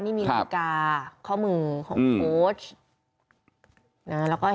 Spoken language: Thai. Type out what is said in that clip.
นี่มีแสกข้อมือของโฟตช์